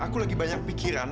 aku lagi banyak pikiran